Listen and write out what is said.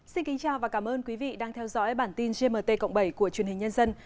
xin kính chào và cảm ơn quý vị đang theo dõi bản tin gmt cộng bảy của truyền hình nhân dân